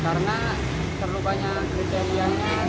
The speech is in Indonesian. karena terlupanya kriteriannya